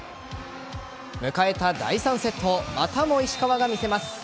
迎えた第３セットまたも石川が見せます。